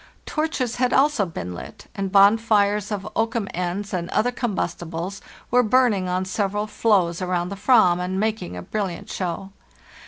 Torches had also been lit, and bonfires of oakum ends and other combustibles were burning on several floes around the "vam and making a brilliant show.